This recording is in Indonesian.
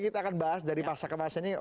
kita akan bahas dari masa ke masa ini